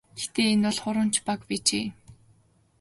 Гэхдээ энэ бол хуурамч баг байжээ.